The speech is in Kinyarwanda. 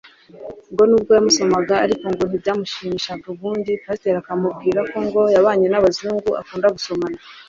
ngo nubwo yamusomaga ariko ngo ntibyamushimishaga ubundi pasiteri akamubwira ko ngo yabanye n’abazungu akunda gusomana